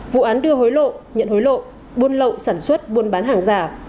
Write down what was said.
vụ án đưa hối lộ nhận hối lộ buôn lậu sản xuất buôn bán hàng giả